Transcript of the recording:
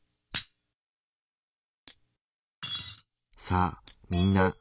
さあみんな。